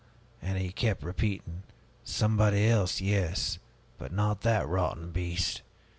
And he kept repeating, 'Somebody else, yes, but not that rotten beast!'